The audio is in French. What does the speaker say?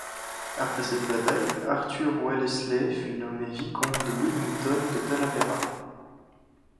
Après cette bataille Arthur Wellesley fut nommé vicomte de Wellington de Talavera.